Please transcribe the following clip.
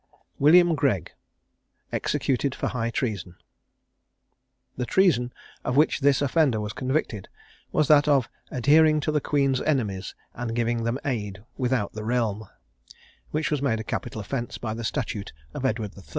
WILLIAM GREGG. EXECUTED FOR HIGH TREASON. The treason of which this offender was convicted was that of "adhering to the Queen's enemies, and giving them aid, without the realm," which was made a capital offence by the statute of Edward III.